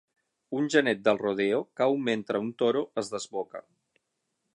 Un genet del rodeo cau mentre un toro es desboca.